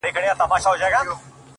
• چي د خندا خبري پټي ساتي،